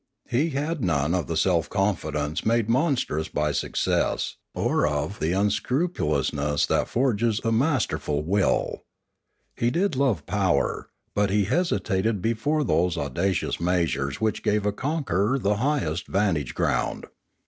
He had none of the self confidence made monstrous by success, or of the un Another Threat 493 scrupulousness, that forges the masterful will. He did love power, but he hesitated before those audacious measures which give a conqueror the highest vantage ground.